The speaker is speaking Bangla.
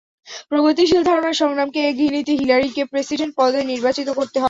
প্রগতিশীল ধারণার সংগ্রামকে এগিয়ে নিতে হিলারিকে প্রেসিডেন্ট পদে নির্বাচিত করতে হবে।